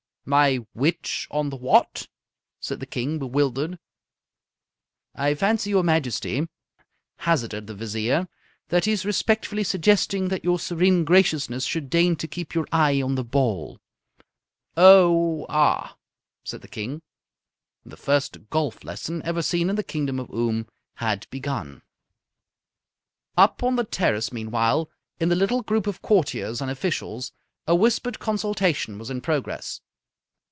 "My which on the what?" said the King, bewildered. "I fancy, your Majesty," hazarded the Vizier, "that he is respectfully suggesting that your serene graciousness should deign to keep your eye on the ball." "Oh, ah!" said the King. The first golf lesson ever seen in the kingdom of Oom had begun. Up on the terrace, meanwhile, in the little group of courtiers and officials, a whispered consultation was in progress.